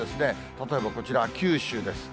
例えばこちら、九州です。